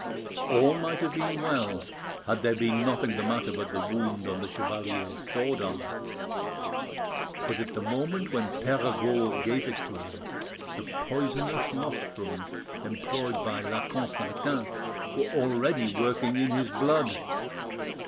All might have been well had there been nothing the matter but the wound on the chevalier's sword arm. But at the moment when Perregaud gave it to him the poisonous nostrums employed by La Constantin were already working in his blood.